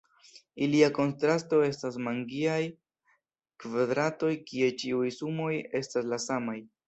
Ilia kontrasto estas magiaj kvadratoj kie ĉiuj sumoj estas la samaj.